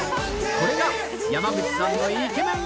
これが山口さんのイケメン